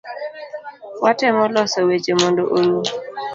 Watemo loso weche mondo orum